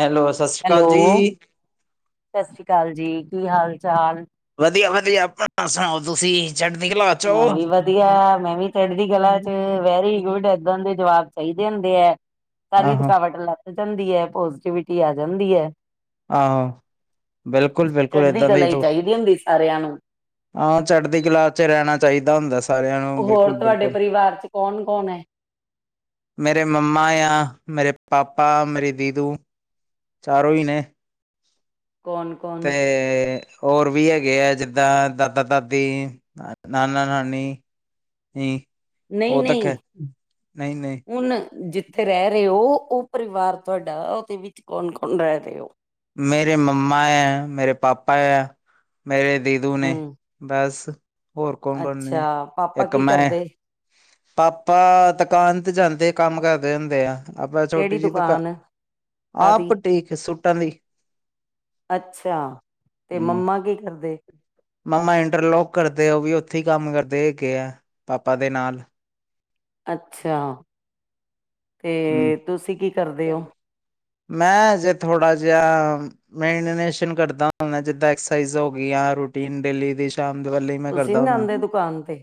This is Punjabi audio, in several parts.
ਹੈਲੋ। ਸਤਿ ਸ਼੍ਰੀ ਅਕਾਲ ਹੈਲੋ, ਜੀ। ਸਸਰੀ ਕਾਲ ਜੀ, ਕੀ ਹਾਲ -ਚਾਲ? ਵਧੀਆ-ਵਧੀਆ, ਆਪਾਂ ਅਸਾਂ ਤੁਸੀਂ ਚੜਦੀ ਕਲਾ? ਚ ਹੋ। ਮੈਂ ਵੀ ਵਧੀਆ, ਮੈਂ ਵੀ ਚੜ੍ਹਦੀਕਲਾ ਚ ਵੈਰੀ ਗੁੱਡ ਏਦਾਂ ਦੇ ਜਵਾਕ ਚਾਹੀਦੇ ਹੁੰਦੇ ਐ, ਸਾਰੀ ਆਹੋ ਥਕਾਵਟ ਲੱ ਥ ਜਾਂਦੀ ਐ, ਪੋਜੀਟੀਵਿਟੀ ਆ ਜਾਂਦੀ ਐ। ਆਹੋ, ਬਿਲਕੁਲ-ਬਿਲਕੁਲ ਏਦਾਂ ਦੇ ਜੋ ਦਿੰਦੀ ਸਾਰਿਆਂ ਨੂੰ ਹਾਂ, ਚੜ੍ਹਦੀਕਲਾ ਚ ਰੈਣਾ ਚਾਈਦਾ ਹੁੰਦਾ ਸਾ ਸਾਰੇਆਂ ਨੂੰ, ਹੋਰ ਤੁਹਾਡੇ ਬਿਲਕੁਲ-ਬਿਲਕੁਲ। ਪਰਿਵਾਰ ਚ ਕੌਣ-ਕੌਣ ਐ, ਮੇਰੇ ਮੰਮਾ ਆ, ਮੇਰੇ ਪਾਪਾ, ਮੇਰੀ ਦੀਦੂ ਚਾਰੋਂ ਈ ਨੇ। ਕੌਨ। ਤੇ। ਹੋਰ ਵੀ ਹੈਗੇ ਆ, ਜਿੱਦਾਂ ਦਾਦਾ-ਦਾਦੀ ਨਾਨਾ-ਨਾਨੀ। ਨੀ, ਔ ਤਾਂ ਨਈ-ਨਈ ਕੈ ਨਈ-ਨਈ ਹੁਣ, ਜਿੱ ਥੇ ਰੈ ਰੇ ਔ, ਔ ਪਰਿਵਾਰ ਤੁਆਡਾ ਔਦੇ ਵਿੱਚ ਕੌਣ ਕੌਣ ਰੈ ਰੇ ਓ? ਮੇਰੇ ਮੰਮਾ ਐ, ਮੇਰੇ ਪਾਪਾ ਐ, ਮੇਰੇ ਦੀਦੂ ਨੇ। ਹੂੰ, ਬਸ, ਹੋਰ ਕੌਣ-ਕੋਣ ਅੱਛਾ ਨੇ, ਪਾਪਾ ਇੱਕ ਕੀ ਮੈਂ ਕਰਦੇ? ਪਾਪਾ ਦਕਾਨ ਤੇ ਜਾਂਦੇ, ਕੰਮ ਕਰਦੇ ਹੁੰਦੇ ਆ। ਆਪਾਂ ਕਿਹੜੀ ਛੋਟੀ ਜੀ ਦਕਾਨ, ਦੁਕਾਨ? ਆ ਕਾਦੀ? ਬਟੀਕ ਸੂਟਾਂ ਦੀ। ਅੱਛਾ, ਤੇ ਮੰਮਾ ਕੀ ਕਰਦੇ? ਮਮਾ ਇੰਟਰਲੋਕ ਕਰਦੇ, ਓਵੀ ਉੱਥੇ ਈ ਕੰਮ ਕਰਦੇ ਹੈਗੇ ਆ, ਪਾਪਾ ਦੇ ਨਾਲ। ਅੱਛਾ, ਤੇ ਹਮ ਤੁਸੀਂ ਕੀ ਕਰਦੇ ਓ? ਮੈਂ, ਹਜੇ ਥੋੜਾ ਜੇਆ ਮੈਂ ਐਨੀਮੇਸ਼ਨ ਕਰਦਾ। ਜਿੱਦਾਂ ਐਕਸਰਸਾਈਜ਼ ਹੋ ਗਿਆ, ਰੂਟੀਨ ਡੇਲੀ ਦੀ। ਦੰਦ ਵਾਲੀ ਮੈਂ ਤੁਸੀਂ ਕਰਦਾ ਨੀ ਹੁੰਦਾ। ਜਾਂਦੇ ਦੁਕਾਨ ਤੇ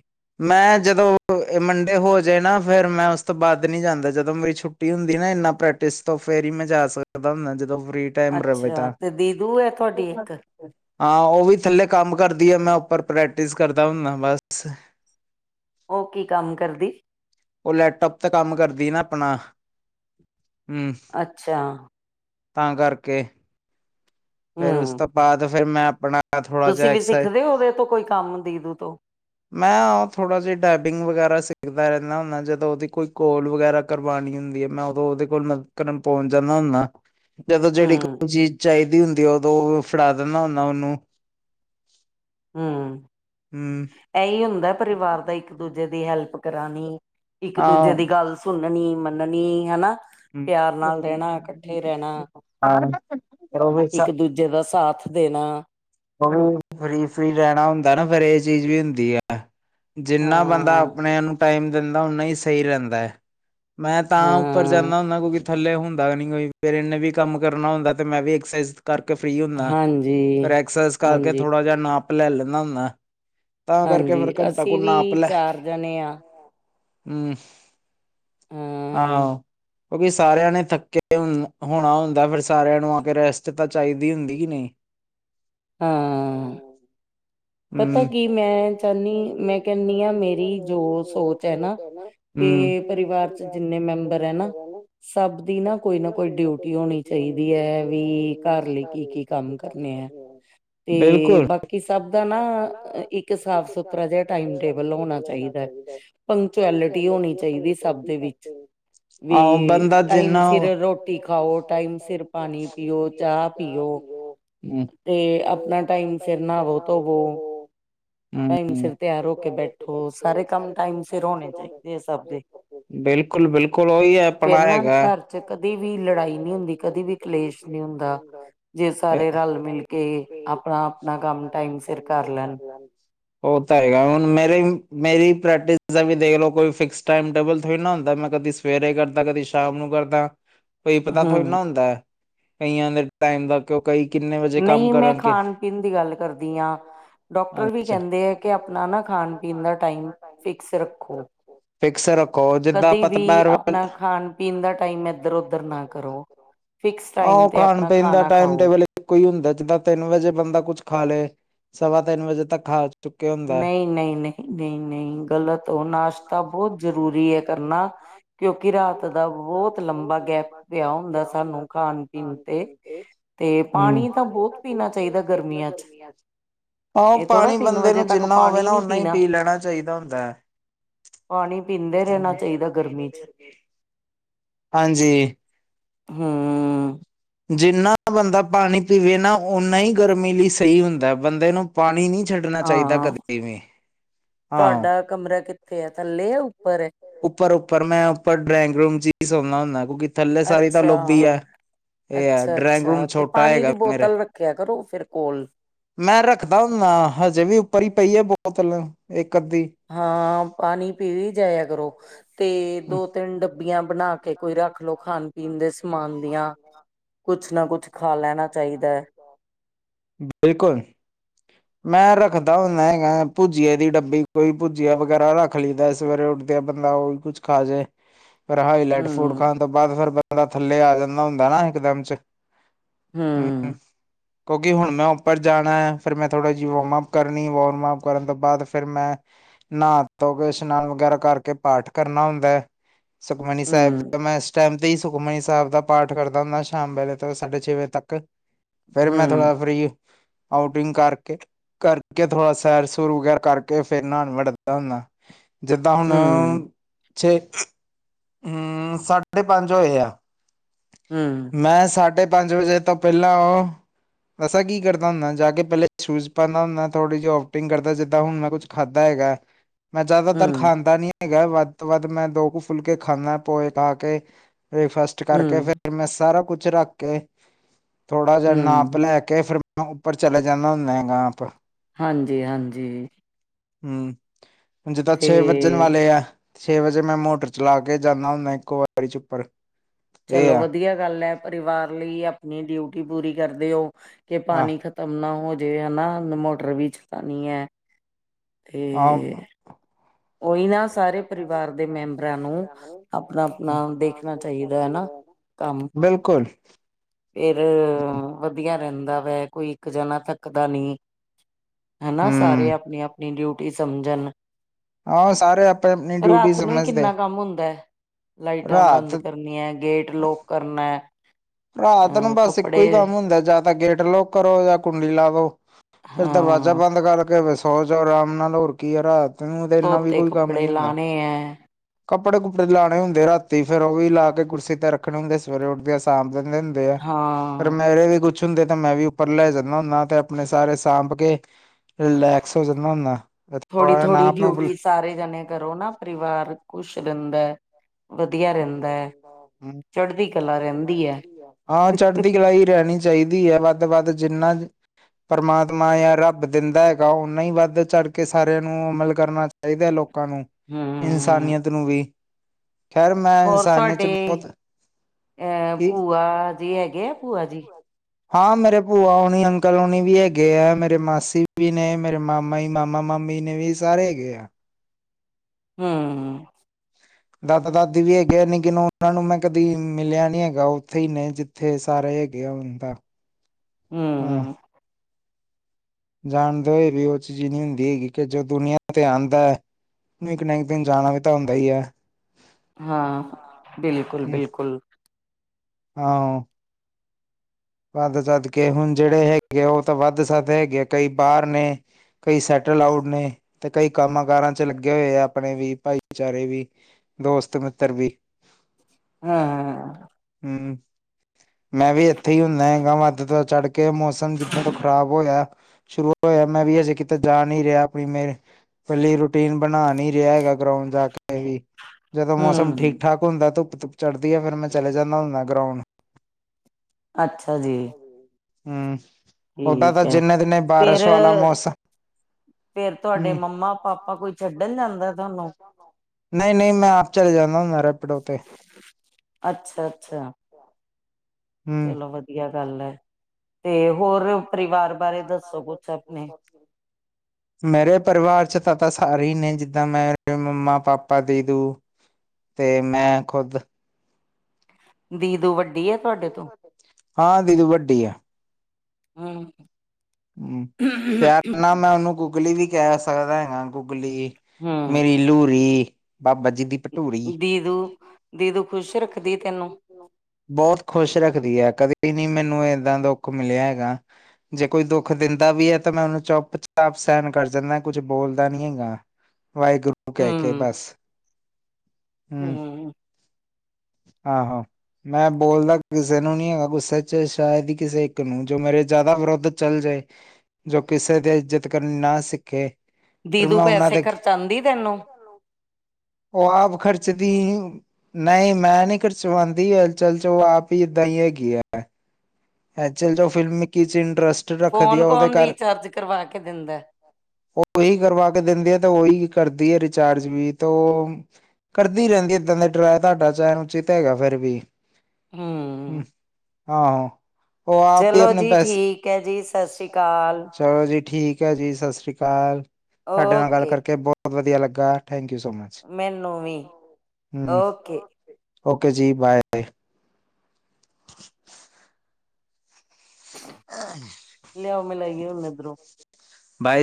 ਮੈਂ ਜਦੋਂ ਏ, ਮੰਡੇ ਹੋ ਜੇ ਨਾ, ਫੇਰ ਮੈਂ ਉਸ ਤੋਂ ਬਾੱਧ ਨੀ ਜਾਂਦਾ। ਜਦੋਂ ਮਰੀ ਛੁੱਟੀ ਹੁੰਦੀ ਨਾ, ਇੰਨਾ ਪ੍ਰੈਕਟਿਸ ਤੋਂ ਫੇਰ ਈ, ਮੈਂ ਜਾ ਸਕਦਾ ਹੁੰਨਾ। ਜਦੋਂ ਫਰੀ ਟਾਈਮ ਰਵੇ ਅੱਛਾ, ਤਾਂ ਤੇ ਦੀਦੂ ਹੈ, ਤੁਆਡੀ ਇੱਕ। ਹਾਂ, ਔ ਵੀ ਥੱਲੇ ਕੰਮ ਕਰਦੀ ਐ। ਮੈਂ ਉੱਪਰ ਪ੍ਰੈਕਟਿਸ ਕਰਦਾ ਹੁੰਨਾ, ਬਸ। ਓਹ ਕੀ ਕੰਮ ਕਰਦੀ? ਓ ਲੈਟਟੋਪ ਤੇ ਕੰਮ ਕਰਦੀ ਨਾ ਆਪਣਾ, ਹੁੰ। ਅੱਛਾ ਤਾਂ ਕਰਕੇ। ਫੇਰ ਉਸ ਹਮ ਤੋਂ, ਬਾਅਦ ਫੇਰ ਮੈਂ ਆਪਣਾ ਥੋੜਾ ਜਿਹਾ ਤੁਸੀਂ ਵੀ ਐਕਸਰ ਸਿੱਖਦੇ ਔ, ਉਦੇ ਤੋਂ ਕੋਈ ਕੰਮ ਦੀਦੂ ਤੋਂ? ਮੈਂ ਔ ਥੋੜਾ ਜਿਆ ਟੈਪਿੰਗ ਵਗੈਰਾ ਸਿੱਖਦਾ ਰੈੱਨਾ ਹੁੰਨਾ, ਜਦੋਂ ਉਦੀ ਕੋਈ ਕੋਲ ਵਗੈਰਾ। ਕਰਵਾਣੀ ਹੁੰਦੀ ਏ, ਮੈਂ ਉਦੋਂ ਉਦੇ ਕੋਲ ਮ ਕਰਨ ਪੋਂਚ ਜਾਂਨਾ ਹੁੰਨਾ। ਜਦੋਂ ਜੜੀ ਹਮ ਕੋਈ ਚੀਜ਼ ਚਾਈਦੀ ਹੁੰਦੀ। ਉਦੋਂ ਫੜਾ ਦਿੰਦਾ ਹੁੰਨਾ, ਔਨੂੰ। ਹੁੰ, ਹਮ ਐ ਈ ਹੁੰਦਾ। ਪਰਿਵਾਰ ਦਾ ਇੱਕ-ਦੂਜੇ ਦੀ ਹੈਲਪ ਕਰਾਣੀ, ਇੱਕ ਦੂਜੇ ਹਾਂ ਦੀ ਗੱਲ ਸ ਸੁਨਨੀ-ਮੰਨਣੀ ਹਨਾ, ਹਮ, ਪਿਆਰ ਨਾਲ ਰੈਣਾ, ਕੱਠੇ ਰੈਣਾ। [unintelligible] ਵੀ ਸ- ਇੱਕ-ਦੂਜੇ ਦਾ ਸਾਥ ਦੇਣਾ। ਔਨੁੰ ਵੀ ਫਰੀ-ਫਰੀ ਰੈਣਾ ਹੁੰਦਾ ਨਾ, ਫੇਰ ਏ ਚੀਜ਼ ਵੀ ਹੁੰਦੀ ਐ। ਜਿੰਨਾ ਬੰਦਾ ਹਾਂ ਅਪਣਿਆਂ ਨੂੰ ਟਾਈਮ ਦਿੰਦਾ, ਓਨਾ ਐ ਸਈ ਰੈਂਦਾ ਐ। ਮੈਂ ਤਾਂ ਉੱਪਰ ਹਾਂ ਜਾਂਨਾ ਹੁੰਨਾ, ਕਿਉਂਕਿ ਥੱਲੇ ਹੁੰਦਾ ਨੀ ਕੋਈ, ਫੇਰ ਏਨੇ ਵੀ ਕੰਮ ਕਰਨਾ ਹੁੰਦਾ ਤੇ ਮੈਂ ਵੀ ਐਕਸਸਾਈਜ ਕਰਕੇ ਫ੍ਰੀ ਹੁੰਨਾ। ਜੀ। ਐਕਸਾਈਜ਼ ਕਰਕੇ, ਥੋੜਾ ਜਾ ਨਾਪ ਲੈ ਲੈਂਨਾ ਹੁੰਨਾ। ਤਾਂ ਕਰਕੇ, ਹਾਂਜੀ, ਫੇਰ ਘੰਟਾ ਅਸੀਂ ਕੁੁੰ ਵੀ ਨਾਪ ਲੈ ਚਾਰ ਜਣੇ ਆ ਹੁੰ, ਆ। ਅ ਕਿਉਂਕਿ ਸਾਰਿਆਂ ਨੇ ਥੱਕੇ ਹੋਣਾ ਹੁੰਦਾ, ਫਿਰ ਸਾਰਿਆਂ ਨੂੰ ਆ ਕੇ ਰੈਸਟ ਤਾਂ ਚਾਹੀਦੀ ਹੁੰਦੀ ਕਿ ਨੀ। ਹਾਂ, ਪਤਾ ਕੀ ਮੈਂ ਚਾਦੀ ਮੈਂ ਕਹਿੰਨੀ ਆ ਮੇਰੀ ਜੋ ਸੋਚ ਐ ਨਾ ਹੂੰ ਕਿ ਪਰਿਵਾਰ ਚ ਜਿੰਨੇ ਮੈਂਬਰ ਐ ਨਾ ਸਭ ਦੀ ਨਾ ਕੋਈ ਨਾ ਕੋਈ ਡਿਊਟੀ ਹੋਣੀ ਚਾਹੀਦੀ ਐ ਵੀ ਘਰ ਲਈ ਕੀ ਕੀ ਕੰਮ ਕਰਨੇ ਆ [inaudible] ਤੇ ਬਿਲਕੁਲ ਬਾਕੀ ਸਭ ਦਾ ਨਾ ਇੱਕ ਸਾਫ ਸੁਥਰਾ ਜਿਹਾ ਟਾਈਮ ਟੇਬਲ ਹੋਣਾ ਚਾਹੀਦਾ। ਪੰਕਚੁਐਲਿਟੀ ਹੋਣੀ ਚਾਹੀਦੀ ਸਭ ਦੇ ਵਿੱਚ, ਆਹੋ ਵੀ ਬੰਦਾ ਟਾਈਮ ਜਿੰਨਾ ਸਿਰ ਰੋਟੀ ਖਾਓ ਟਾਈਮ ਸਿਰ ਪਾਣੀ ਪੀਓ ਚਾਹ ਪੀਓ। ਹੂੰ ਤੇ ਆਪਣਾ ਟਾਈਮ ਸਿਰ ਨਾਵੋ ਧੋਵੋ ਹੂੰ ਟਾਈਮ ਸਿਰ ਤਿਆਰ ਹੋ ਕੇ ਬੈਠੋ ਸਾਰੇ ਕੰਮ ਟਾਈਮ ਸਿਰ ਹੋਣੇ ਚਾਹੀਦੇ ਸਭ ਦੇ ਬਿਲਕੁਲ ਬਿਲਕੁਲ ਉਹੀ ਫੇਰ ਆਪਣਾ ਨਾ ਹੈਗਾ ਘਰ ਚ ਕਦੇ ਵੀ ਲੜਾਈ ਨੀ ਹੁੰਦੀ ਕਦੇ ਵੀ ਕਲੇਸ਼ ਨੀ ਹੁੰਦਾ, ਜੇ ਸਾਰੇ ਰਲ ਮਿਲ ਕੇ ਆਪਣਾ ਆਪਣਾ ਕੰਮ [inaudible] ਟਾਈਮ ਸਿਰ ਕਰ ਲੈਣ ਉਹ ਤਾਂ ਹੈਗਾ ਹੁਣ ਮੇਰੀ ਮੇਰੀ ਪ੍ਰੈਕਟਿਸ ਦਾ ਵੀ ਦੇਖ ਲੋ ਕੋਈ ਫਿਕਸ ਟੈਮ ਟੇਬਲ ਥੋੜੀ ਨਾ ਹੁੰਦਾ ਮੈਂ ਕਦੀ ਸਵੇਰੇ ਕਰਦਾ ਕਦੀ ਸ਼ਾਮ ਨੂੰ ਕਰਦਾ ਕਈ ਪਤਾ ਥੋੜੀ ਹਮ ਹੁੰਦਾ ਐ, ਕਈਆਂ ਦੇ ਟਾਈਮ ਦਾ ਕਿਉ ਕਈ ਕਿੰਨੇ ਵਜੇ ਕੰਮ ਕਰਨ ਕਿ ਪਿੰਨ ਦੀ ਗੱਲ ਕਰਦੀ ਆ ਡਾਕਟਰ ਵੀ ਅੱਛਾ ਕਹਿੰਦੇ ਆ ਕਿ ਆਪਣਾ ਨਾ ਖਾਣ ਪੀਣ ਦਾ ਟਾਈਮ ਫਿਕਸ ਰੱਖੋ। ਫਿਕਸ ਰੱਖੋ ਜਿੱਦਾਂ ਕਦੇ ਆਪਾਂ ਵੀ ਦੁਪਹਿਰ ਆਪਣਾ ਖਾਣ ਪੀਣ ਦਾ ਟਾਈਮ ਏਧਰ ਉਧਰ ਨਾ ਕਰੋ। ਫਿਕਸ ਟਾਈਮ ਤੇ ਆਪਣਾ ਖਾਣਾ ਖਾਓ। ਕੋਈ ਹੁੰਦਾ ਜਿੱਦਾਂ ਤਿੰਨ ਵਜੇ ਬੰਦਾ ਕੁਛ ਖਾ ਲਏ, ਸਵਾ ਤਿੰਨ ਵਜੇ ਤੱਕ ਖਾ ਚੁੱਕੇ ਹੁੰਦਾ ਨਈ-ਨਈ-ਨਈ-ਨਈ-ਨਈ ਗਲਤ ਉਹ ਨਾਸ਼ਤਾ ਬਹੁਤ ਜ਼ਰੂਰੀ ਐ ਕਰਨਾ। ਕਿਉਂਕਿ ਰਾਤ ਦਾ ਬਹੁਤ ਲੰਬਾ ਗੈਪ ਪਿਆ ਹੁੰਦਾ ਸਾਨੂੰ ਖਾਣ ਪੀਣ ਤੇ ਤੇ ਹਮ ਪਾਣੀ ਤਾਂ ਬਹੁਤ ਪੀਣਾ ਚਾਹੀਦਾ ਗਰਮੀਆਂ ਚ ਹਾਂ ਇਹ ਥੋੜਾ ਪਾਣੀ ਤਿੰਨ ਬੰਦੇ ਵਜੇ ਨੂੰ ਤੱਕ ਜਿੰਨਾ ਹੋਵੇ ਪਾਣੀ ਨਾ ਨੀ ਓਨਾ ਈ ਪੀਣਾ ਪੀ ਲੈਣਾ ਚਾਹੀਦਾ ਹੁੰਦਾ ਐ। ਪਾਣੀ ਪੀਂਦੇ ਰਹਿਣਾ ਚਾਹੀਦਾ ਗਰਮੀ ਚ, ਹਾਂਜੀ, ਹੂੰ, ਜਿੰਨਾ ਬੰਦਾ ਪਾਣੀ ਪੀਵੇ ਨਾ ਓਨਾ ਹੀ ਗਰਮੀ ਲਈ ਸਈ ਹੁੰਦਾ ਬੰਦੇ ਨੂੰ ਪਾਣੀ ਨੀ ਛੱਡਣਾ ਚਾਹੀਦਾ ਹਾਂ ਕਦੇ ਵੀ ਹਾਂ। ਤੁਹਾਡਾ ਕਮਰਾ ਕਿੱਥੇ ਆ ਥੱਲੇ ਆ ਜਾ ਉੱਪਰ ਐ। ਉੱਪਰ ਉੱਪਰ ਮੈਂ ਉੱਪਰ ਡਰਾਇੰਗ ਰੂਮ ਚ ਈ ਸੌਦਾ ਹੁੰਦਾ ਕਿਉਂਕਿ ਥੱਲੇ ਸਾਰੀ ਤਾਂ ਅੱਛਾ ਲੋਭੀ ਐ। ਅੱਛਾ ਅੱਛਾ ਤੇ ਪਾਣੀ ਦੀ ਮੇਰੇ ਬੋਤਲ ਰੱਖਿਆ ਕਰੋ ਫਿਰ ਕੋਲ ਮੈਂ ਰੱਖਦਾ ਹੁੰਨਾ ਹਜੇ ਵੀ ਉੱਪਰ ਹੀ ਪਈ ਐ ਬੋਤਲ ਇੱਕ ਅੱਧੀ ਹਾਂ ਪਾਣੀ ਪੀ ਵੀ ਜਾਇਆ ਕਰੋ। ਤੇ ਦੋ ਤਿੰਨ ਡੱਬੀਆਂ ਬਣਾ ਕੇ ਕੋਈ ਰੱਖ ਲਓ ਖਾਣ ਪੀਣ ਦੇ ਸਮਾਨ ਦੀਆਂ। ਕੁਛ ਨਾ ਕੁਛ ਖਾ ਲੈਣਾ ਚਾਹੀਦਾ ਏ ਬਿਲਕੁਲ ਮੈਂ ਰੱਖਦਾ ਹੁੰਦਾ ਜਾਂ ਭੁਜੀਏ ਦੀ ਡੱਬੀ ਕੋਈ ਭੁੱਜੀਆ ਵਗੈਰਾ ਰੱਖ ਲਈਦਾ ਸਵੇਰੇ ਉਠ ਤੇ ਬੰਦਾ ਉਹੀ ਕੁਛ ਖਾ ਜੇ, ਪਰ ਹਾਈ ਲਟ ਫੂਡ ਹਮ ਖਾਣ ਤੋਂ ਪੰਜ ਸੋ ਰੁਪਏ ਨਾਲ ਥੱਲੇ ਆ ਜਾਂਦਾ ਹੁੰਦਾ ਨਾ ਇਕਦਮ 'ਚ ਹਮ ਕਿਉਂਕਿ ਹੁਣ ਮੈਂ ਉੱਪਰ ਜਾਣਾ ਫਿਰ ਮੈਂ ਥੋੜ੍ਹਾ ਜਿਹੀ ਵਾਰਮਅੱਪ ਕਰਨੀ ਵਾਰਮਅੱਪ ਕਰਨ ਤੋਂ ਬਾਅਦ ਫਿਰ ਮੈਂ ਨਹਾ ਧੋ ਕੇ ਇਸ਼ਨਾਨ ਵਗੈਰਾ ਕਰਕੇ ਪਾਠ ਕਰਨਾ ਹੁਣ ਬੈ ਸੁਖਮਨੀ ਸਾਹਿਬ ਹਮ ਦਾ ਮੈਂ ਇਸ ਟਾਈਮ ਤੇਹੀ ਸੁਖਮਨੀ ਸਾਹਿਬ ਦਾ ਪਾਠ ਕਰਦਾ ਹੁੰਦਾ ਸ਼ਾਮ ਵੇਲੇ ਤੋਂ ਸਾਢੇ ਛੇ ਵਜੇ ਤੱਕ ਫੇਰ ਮੈਂ ਹਮ ਥੋੜ੍ਹਾ ਫਰੀ ਆਊਟਿੰਗ ਕਰਕੇ, ਕਰਕੇ ਥੋੜਾ ਸੈਰ ਸੁਰ ਵਗੈਰਾ ਕਰਕੇ ਫੇਰ ਨਾਨ ਵਰ ਵੜਦਾ ਹੁੰਦਾ ਜਿੱਦਾਂ ਹੁਣ ਹਮ ਛੇ, ਹਮ ਸਾਢੇ ਪੰਜ ਹੋਏ ਆ ਹਮ ਮੈਂ ਸਾਢੇ ਪੰਜ ਵਜੇ ਤੋਂ ਪਹਿਲੋਂ ਦਸਾ ਕੀ ਕਰਦਾ ਹੁੰਦਾ ਜਾ ਕੇ ਪਹਿਲੇ ਸ਼ੂਜ ਪਾਉਂਦਾ ਹੁੰਦਾ ਥੋੜੀ ਜਿਹੀ ਆਊਟਿੰਗ ਕਰਦਾ ਜਿੱਦਾਂ ਹੁਣ ਮੈਂ ਕੁਛ ਖਾਧਾ ਹੈਗਾ, ਮੈਂ ਜਿਆਦਾਤਰ ਹਮ ਖਾਂਦਾ ਨੀ ਹੈਗਾ ਵੱਧ ਉਸ ਤੋਂ ਬਾਅਦ ਮੈਂ ਦੋ ਕੁ ਫੁਲਕੇ ਖਾਂਦਾ ਪੋਏ ਖਾ ਕੇ ਬ੍ਰੇਕਫਾਸਟ ਕਰਕੇ ਹਮ ਫੇਰ ਫਿਰ ਮੈਂ ਸਾਰਾ ਕੁਛ ਰੱਖ ਕੇ ਥੋੜਾ ਜਿਹਾ ਨਾਪ ਹਮ ਲੈ ਕੇ ਫੇਰ ਮੈਂ ਉੱਪਰ ਚਲਾ ਜਾਨਾ ਹੁੰਦਾ ਹੈਗਾ ਅਗਾਂਹ ਪਰ ਹਾਂਜੀ- ਹਾਂਜੀ ਹਮ ਹੁਣ ਜਿੱਦਾਂ ਤੇ ਛੇ ਵਜਨ ਵਾਲੇ ਐ ਛੇ ਵਜੇ ਮੈਂ ਮੋਟਰ ਚਲਾ ਕੇ ਜਾਂਦਾ ਹੁੰਦਾ ਇੱਕੋ ਵਾਰੀ 'ਚ ਉੱਪਰ ਇਹ ਚਲੋ ਆ ਵਧੀਆ ਗੱਲ ਹੈ ਪਰਿਵਾਰ ਲਈ ਆਪਣੀ ਡਿਊਟੀ ਪੂਰੀ ਕਰਦੇ ਹੋ ਕਿ ਆਹ ਪਾਣੀ ਖਤਮ ਤਮਨਾ ਹੋ ਜੇ ਹਨਾ ਮੋਟਰ ਵੀ ਚਲਾਉਣੀ ਹੈ ਆਹ ਤੇ ਓਈਨਾ ਸ ਸਾਰੇ ਪਰਿਵਾਰ ਦੇ ਮੈਂਬਰਾਂ ਨੂੰ ਆਪਣਾ ਆਪਣਾ ਦੇਖਣਾ ਚਾਹੀਦਾ ਹੈਨਾ ਬਿਲਕੁਲ ਫਿਰ ਵਧੀਆ ਰਹਿੰਦਾ ਵੈ ਕੋਈ ਇੱਕ ਜਾਣਾ ਤੱਕਦਾ ਨਹੀਂ ਹੈਨਾ ਸਾਰੇ ਹਮ ਆਪਣੀ ਆਪਣੀ ਡਿਊਟੀ ਸਮਝਣ ਹਾਂ ਸਾਰੇ ਆਪਣੀ ਆਪਣੀ ਡਿਊਟੀ ਰਾਤ ਨੂੰ ਸਮਝਦੇ ਕਿੰਨਾ ਕੰਮ ਹੁੰਦਾ ਹੈ ਲਾਈਟਾਂ ਰਾਤ ਬੰਦ ਕਰਨੀਆਂ, ਗੇਟ ਲੋਕ ਕਰਨਾ ਰਾਤ ਨੂੰ ਅਹ ਬਸ ਇੱਕੋ ਹੀ ਕੰਮ ਕੱਪੜੇ ਹੁੰਦਾ ਜਾਂ ਤਾਂ ਗੇਟਲੋਕ ਕਰੋ ਜਾਂ ਕੁੰਡੀ ਲਾ ਦੋ ਫਿਰ ਦਰਵਾਜ਼ਾ ਹਾਂ ਬੰਦ ਕਰਕੇ ਸੋ ਜਾਓ ਆਰਾਮ ਨਾਲ ਹੋਰ ਕੀ ਹੈ ਰਾਤ ਤੈਨੂੰ ਤੇ ਇੰਨਾ ਵੀ ਧੋਤੇ ਕੋਈ ਕੰਮ ਕੱਪੜੇ ਨੀ ਹੁੰਦਾ ਲਾਣੇ ਹੈ ਕੱਪੜੇ ਕੁੱਪੜੇ ਲਾਣੇ ਹੁੰਦੇ ਰਾਤੀ ਫਿਰ ਉਹ ਵੀ ਲਾ ਕੇ ਕੁਰਸੀ ਤੇ ਰੱਖਣੇ ਹੁੰਦੇ ਸਵੇਰੇ ਉੱਠਦਿਆ ਸਾਂਭ ਦਿੰਦੇ ਫਿਰ ਹਾਂ ਮੇਰੇ ਵੀ ਕੁਛ ਹੁੰਦੇ ਤੇ ਮੈਂ ਵੀ ਉੱਪਰ ਲੈ ਜਾਂਦਾ ਹੁੰਦਾ ਤੇ ਆਪਣੇ ਸਾਰੇ ਸਾਂਭ ਕੇ ਥੋੜਾ ਰਿਲੈਕਸ ਹੋ ਜਾਂਦਾ ਹੁੰਦਾ ਫੇਰ ਥੋੜ੍ਹੀ ਥੋੜਾ ਥੋੜ੍ਹੀ ਨਾਮ ਨੂਮ ਡਿਊਟੀ ਸਾਰੇ ਜਾਣੇ ਕਰੋ ਨਾ ਪਰਿਵਾਰ ਖੁਸ਼ ਰਹਿੰਦਾ ਹੈ ਵਧੀਆ ਰਹਿੰਦਾ ਚੜ੍ਹਦੀ ਕਲਾ ਰਹਿੰਦੀ ਹੈ ਹਾਂ ਚੜਦੀ ਕਲਾਈ ਰਹਿਣੀ ਚਾਹੀਦੀ ਹੈ ਵੱਧ ਤੋਂ ਵੱਧ ਜਿੰਨਾ ਪਰਮਾਤਮਾ ਜਾਂ ਰੱਬ ਦਿੰਦਾ ਹੈਗਾ ਓਨਾ ਵੱਧ ਚੜ੍ਹ ਕੇ ਸਾਰਿਆਂ ਨੂੰ ਅਮਲ ਕਰਨਾ ਚਾਹੀਦਾ ਲੋਕਾਂ ਨੂੰ ਹੂੰ, ਇਨਸਾਨੀਅਤ ਨੂੰ ਵੀ ਖੈਰ ਮੈਂ ਹੋਰ ਇਨਸਾਨੀਅਤ ਚ ਤੁਹਾਡੇ ਬਹੁਤ ਅਹ ਕੀ ਭੂਆ ਜੀ ਹੈਗੇ ਭੂਆ ਜੀ ਹਾਂ ਮੇਰੇ ਭੂਆ ਹੋਣੀ ਅੰਕਲ ਹੋਣੀ ਵੀ ਹੈਗੇ ਆ ਮੇਰੇ ਮਾਸੀ ਵੀ ਨੇ ਮੇਰੇ ਮਾਮਾ ਜੀ ਮਾਮਾ ਮਾਮੀ ਮਹੀਨੇ ਵੀ ਸਾਰੇ ਹੈਗੇ ਆ। ਹੂੰ। ਦਾਦਾ- ਦਾਦੀ ਵੀ ਹੈਗੇ ਆ ਨਕਿਨ ਉਹਨਾਂ ਨੂੰ ਮੈਂ ਕਦੀ ਮਿਲਿਆ ਨੀ ਹੈਗਾ ਉੱਥੇ ਹੀ ਨੇ ਜਿ- ਥੇ ਸਾਰੇ ਹੈਗੇ ਆ ਹੁਣ ਤਾਂ, ਹਾਂ। ਹੂੰ, ਜਾਣਦੇ ਹੋ ਵੀ ਉਹ ਚੀਜ਼ ਨਹੀਂ ਹੁੰਦੀ ਹੈਗੀ ਕਿ ਜੋ ਦੁਨੀਆਂ ਤੇ ਆਂਦਾ ਹੈ। ਇੱਕ ਨਾ ਇੱਕ ਦਿਨ ਜਾਣਾ ਵੀ ਤਾਂ ਹੁੰਦਾ ਹੀ ਹੈ। ਹਾਂ ਬਿਲਕੁਲ- ਬਿਲਕੁਲ। ਹਾਂ ਉਹ। ਵੱਧ ਸਦ ਕੇ ਹੁਣ ਜਿਹੜੇ ਹੈਗੇ ਉਹ ਤਾਂ ਵੱਧ ਸਦ ਹੈਗੇ ਆ ਕਈ ਬਾਹਰ ਨੇ ਕਈ ਸੈਟਲ ਆਊਡ ਨੇ, ਤੇ ਕਈ ਕੰਮ ਕਾਰਾਂ ਚ ਲੱਗੇ ਹੋਏ ਆ ਆਪਣੇ ਵੀ ਭਾਈਚਾਰੇ ਵੀ। ਦੋਸਤ- ਮਿੱਤਰ ਵੀ। ਆ ਹਾਂ। ਹੂੰ, ਮੈਂ ਉੱਥੇ ਹੀ ਹੁੰਦਾ ਹੈਗਾ ਵੱਧ ਤੋਂ ਚੜ ਕੇ ਮੌਸਮ ਜਿੱਦਾਂ ਤੋਂ ਖ਼ਰਾਬ ਹੋਇਆ, ਸ਼ੁਰੂ ਹੋਇਆ ਮੈਂ ਵੀ ਅਜੇ ਕਿਤੇ ਜਾ ਨਹੀਂ ਰਿਹਾ ਆਪਣੀ ਮੇਰੇ ਪਹਿਲੀ ਰੂਟੀਨ ਬਣਾ ਨੀ ਰੇਹਾ ਹੈਗਾ ਗਰਾਉਂਡ ਜਾ ਕੇ ਵੀ। ਜਦੋਂ ਮੌਸਮ ਹੂੰ, ਠੀਕ- ਠਾਕ ਹੁੰਦਾ ਧੁੱਪ- ਧੁੱਪ ਚੜਦੀ ਹੈ ਫੇਰ ਮੈਂ ਚਲੇ ਜਾਂਦਾ ਹੁੰਦਾ ਗਰਾਉਂਡ। ਅੱਛਾ ਜੀ। ਹੂੰ ਓਦਾਂ ਦਾ ਠੀਕ ਐ। ਜਿੰਨੇ ਦਿਨੇ ਫੇਰ ਬਾਰਸ਼ ਵਾਲਾ ਮੌਸਮ ਫੇਰ ਤੁਹਾਡੇ ਮੰਮਾ- ਪਾਪਾ ਕੋਈ ਛੱਡਣ ਜਾਂਦਾ ਤੁਹਾਨੂੰ। ਨਹੀਂ- ਨਹੀਂ ਮੈਂ ਆਪ ਚਲੇ ਜਾਂਦਾ ਮੇਰਾ ਅੱਛਾ- ਅੱਛਾ। ਹੂੰ ਚਲੋ ਵਧੀਆ ਗੱਲ ਹੈ, ਤੇ ਹੋਰ? ਅਪਣੇ ਪਰਿਵਾਰ ਬਾਰੇ ਦੱਸੋ ਕੁਛ ਤੁਸੀ। ਮੇਰੇ ਪਰਿਵਾਰ ਚ ਤਾਂ- ਤਾਂ ਸਾਰੇ ਹੀ ਨੇ ਜਿੱਦਾਂ ਮੈਂ, ਮੰਮਾ- ਪਾਪਾ ਦੀਦੂ। ਤੇ ਮੈਂ ਖੁਦ। ਦੀਦੂ ਵਡ- ਹਾਂ ਦੀਦੀ ਵੱਡੀ ਆ। ਹਾਂ। ਹੂੰ ਪਿਆਰ ਨਾਲ ਮੈਂ ਉਹਨੂੰ ਗੁਗਲੀ ਵੀ ਕਹਿ ਸਕਦਾ ਹੈਗਾ ਗੁਗਲੀ, ਹੂੰ, ਮੇਰੀ। ਲੂਰੀ, ਬਾਬਾ ਜੀ ਦੀ ਭਟੂਰੀ ਦੀਦੂ, ਦੀਦੂ ਖੁਸ਼ ਰੱਖਦੀ ਤੈਨੂੰ। ਬਹੁਤ ਖੁਸ਼ ਰੱਖਦੀ ਹੈ ਕਦੇ ਨੀ ਮੈਨੂੰ ਏਦਾਂ ਦੁੱਖ ਮਿਲਿਆ ਹੈਗਾ। ਜੇ ਕੋਈ ਦੁੱਖ ਦਿੰਦਾ ਵੀ ਹੈ ਤਾਂ ਮੈਂ ਉਹਨੂੰ ਚੁਪ- ਚਾਪ ਸਹਿਣ ਕਰ ਜਾਂਦਾ ਕੁਛ ਬੋਲਦਾ ਨੀ ਹੈਗਾ। ਵਾਹਿਗੁਰੂ ਕਹਿ ਕੇ ਹੂੰ। ਬਸ, ਹੂੰ। ਆ ਹੋ। ਮੈਂ ਬੋਲਦਾ ਕਿਸੇ ਨੂੰ ਨਹੀਂ ਹੈਗਾ ਗੁੱਸੇ ਚ, ਸ਼ਾਇਦ ਹੀ ਕਿਸੇ ਇੱਕ ਨੂੰ, ਜੋ ਮੇਰੇ ਜ਼ਿਆਦਾ ਵਿਰੁੱਧ ਚੱਲ ਜਾਏ। ਜੋ ਕਿਸੇ ਦੀ ਇੱਜ਼ਤ ਕਰਨੀ ਨਾ ਸਿੱਖੇ। ਫਿਰ ਦੀਦੂ ਮੈਂ ਉਹਨਾਂ ਪੈਸੇ ਦੇ ਖਰਚਾਉਂਦੀ ਤੈਨੂੰ? ਉਹ ਆਪ ਖਰਚਦੀ ਨ ਹੀ ਮੈ- ਮੈਂ ਨੀ ਖਚਵਾਉਂਦੀ ਅਚਲ ਚ ਉਹ ਆਪ ਹੀ ਏਦਾਂ ਈ ਹੈਗੀ ਹੈ। ਲ ਚ [unintelligible] ਫਿਲਮ ਇੰਰੇਸਟ। ਫੋਨ ਕੌਣ ਰੀਚਾਰਜ ਕਰਵਾ ਕੇ ਦਿੰਦਾ ਐ। ਉਹੀ ਕਰਵਾ ਕੇ ਦਿੰਦੀ ਹੈ ਤਾਂ ਉਹੀ ਕਰਦੀ ਹੈ ਰਿਚਾਰਜ ਵੀ। ਕਰਦੀ ਰਹਿੰਦੀ ਏਦਾਂ ਦੇ ਡਰਾਏ ਤੁਹਾਡਾ ਚੈਨ ਚਿੱਤ ਹੈਗਾ ਫੇਰ ਵੀ। ਹੂੰ ਆਹ, ਚਲੋ ਜੀ ਠੀਕ ਐ ਜੀ ਸਤਿ ਸ਼੍ਰੀ ਅਕਾਲ। ਚਲੋ ਜੀ ਠੀਕ ਐ ਜੀ ਸਤਿ ਸ੍ਰੀ ਅਕਾਲ, ਤੁਹਾਡੇ ਨਾਲ ਗੱਲ ਓਕੇ, ਕਰਕੇ ਬੋਤ ਬੋਤ ਵਧੀਆ ਲੱਗਾ ਥੈਂਕ ਯੂ ਸੋ ਮੰਚ ਮੈਨੂੰ ਵੀ ਓਕੇ, ਓਕੇ ਜੀ ਬਾਏ। [inaudible] ਲਿਆਓ ਮਿਲਾਈਏ ਹੁਣ ਐਧਰੋ। ਬਾਏ